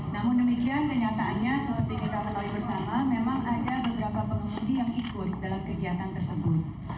namun demikian kenyataannya seperti kita ketahui bersama memang ada beberapa pengusudi yang ikut dalam kegiatan tersebut